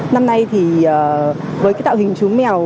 năm nay thì với tạo hình chú mèo